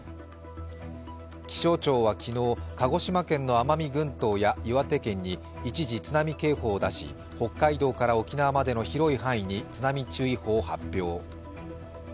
気象庁は昨日鹿児島県の奄美群島や岩手県に一時、津波警報を出し、北海道から沖縄までの広い範囲に津波注意報を発表。